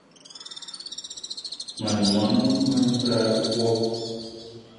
Mań món menga wo!